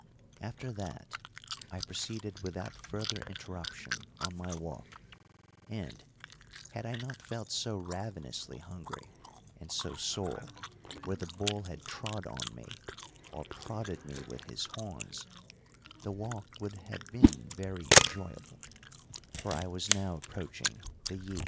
After that I proceeded without further interruption on my walk, and, had I not felt so ravenously hungry and so sore where the bull had trod on me or prodded me with his horns, the walk would have been very enjoyable, for I was now approaching the Yí.